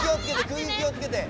クギ気をつけて！